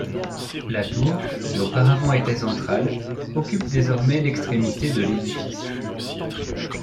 La tour, qui auparavant était centrale, occupe désormais l'extrémité de l'édifice.